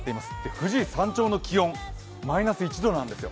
富士山頂の気温、マイナス１度なんですよ。